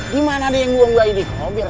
dimana ada yang buang bayi di kober